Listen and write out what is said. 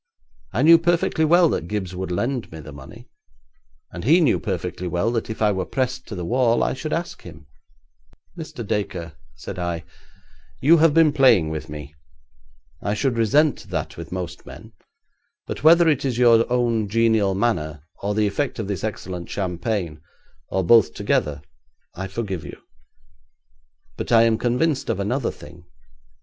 I knew perfectly well that Gibbes would lend me the money, and he knew perfectly well that if I were pressed to the wall I should ask him.' 'Mr. Dacre,' said I, 'you have been playing with me. I should resent that with most men, but whether it is your own genial manner or the effect of this excellent champagne, or both together, I forgive you. But I am convinced of another thing.